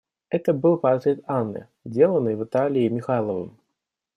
Это был портрет Анны, деланный в Италии Михайловым.